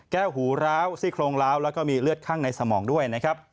แก้วหูร้าวซี่โครงร้าวแล้วก็มีเลือดข้างในสมองด้วย